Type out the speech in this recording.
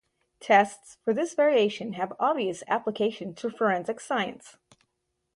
Tests for this variation have obvious application to forensic science.